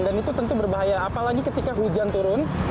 dan itu tentu berbahaya apalagi ketika hujan turun